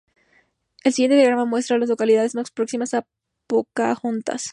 El siguiente diagrama muestra a las localidades más próximas a Pocahontas.